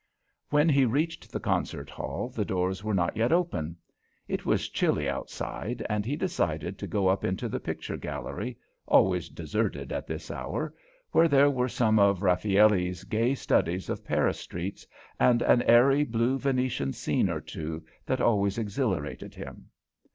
When he reached the concert hall the doors were not yet open. It was chilly outside, and he decided to go up into the picture gallery always deserted at this hour where there were some of Raffelli's gay studies of Paris streets and an airy blue Venetian scene or two that always exhilarated him.